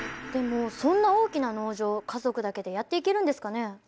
でもそんな大きな農場家族だけでやっていけるんですかね？